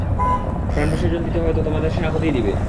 প্রাণ বিসর্জন দিতে হয় তো তোমাদের সেনাপতিই দিবে।